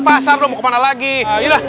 pasar mau kemana lagi ya ya udah